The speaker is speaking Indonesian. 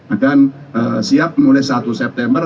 akan siap mulai satu september